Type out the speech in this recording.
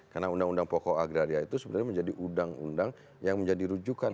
karena undang undang poko agraria itu sebenarnya menjadi undang undang yang menjadi rujukan